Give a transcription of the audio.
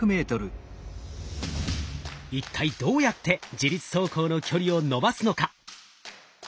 一体どうやって自律走行の距離を延ばすのか？